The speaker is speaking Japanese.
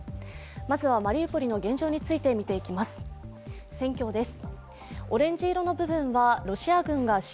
まずは、マリウポリの現状について見ていきます。